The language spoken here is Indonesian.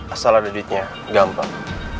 asal ada duitnya gampang